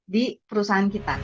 di perusahaan kita